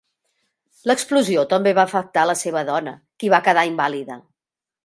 L'explosió també va afectar la seva dona, qui va quedar invàlida.